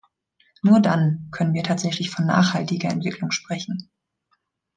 Nur dann können wir tatsächlich von nachhaltiger Entwicklung sprechen.